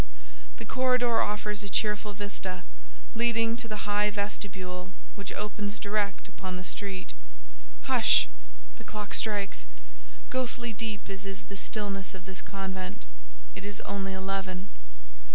The corridor offers a cheerful vista, leading to the high vestibule which opens direct upon the street. Hush!—the clock strikes. Ghostly deep as is the stillness of this convent, it is only eleven.